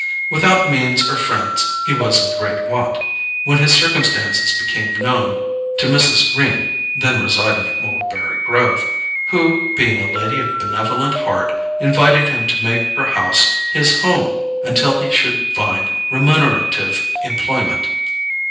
Without means or friends, he was in great want, when his circumstances became known to Mrs. Greene (then residing at Mulberry Grove), who, being a lady of benevolent heart, invited him to make her house his home until he should find remunerative employment.